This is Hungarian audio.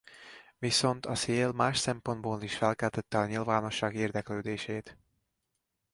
Viszont a szél más szempontból is felkeltette a nyilvánosság érdeklődését.